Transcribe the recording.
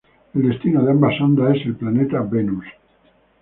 El destino de ambas sondas es el planeta Venus.